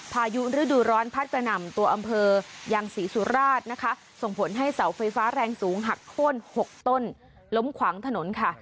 พายุฤดูร้อนพัดกระหน่ำตัวอำเภอยังศรีสุราชนะคะส่งผลให้เสาไฟฟ้าแรงสูงหักโค้น๖ต้นล้มขวางถนนค่ะ